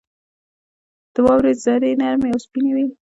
• د واورې ذرې نرمې او سپینې وي.